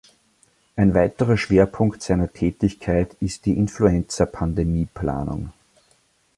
Ein weiterer Schwerpunkt seiner Tätigkeit ist die Influenza-Pandemieplanung.